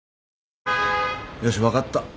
よし分かった。